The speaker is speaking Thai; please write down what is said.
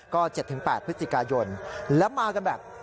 ก็๗๘พฤศจิกายนแล้วมากันแบบ